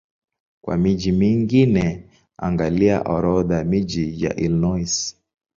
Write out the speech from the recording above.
Kwa miji mingine angalia Orodha ya miji ya Illinois.